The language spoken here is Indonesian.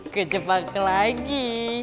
ke jepang lagi